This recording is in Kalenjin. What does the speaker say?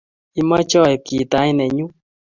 Imache aibu kitait nenyu?